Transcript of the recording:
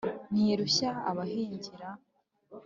Ntirushya abayihingira,